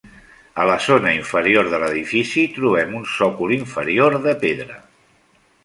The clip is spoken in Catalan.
A la zona inferior de l'edifici trobem un sòcol inferior de pedra.